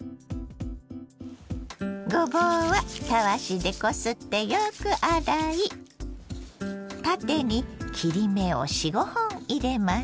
ごぼうはたわしでこすってよく洗い縦に切り目を４５本入れます。